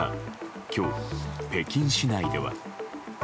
今日、北京市内では。